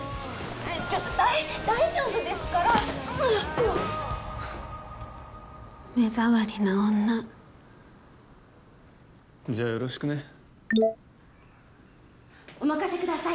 ちょっとだい大丈夫ですからうっ目障りな女じゃあよろしくねお任せください